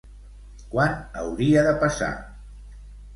Quan hauria de passar?